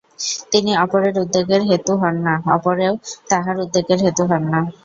তিনি অপরের উদ্বেগের হেতু হন না, অপরেও তাঁহার উদ্বেগের হেতু হন না।